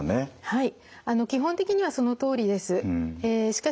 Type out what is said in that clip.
はい。